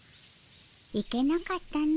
行けなかったの。